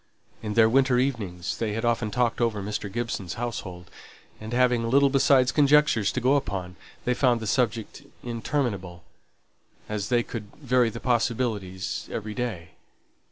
In their winter evenings they had often talked over Mr. Gibson's household, and having little besides conjecture to go upon, they found the subject interminable, as they could vary the possibilities every day.